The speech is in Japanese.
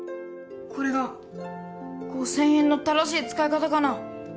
これが５０００円の正しい使い方かな？